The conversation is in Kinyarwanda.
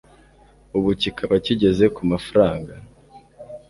ubu kikaba kigeze ku mafaranga